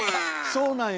そうなんや。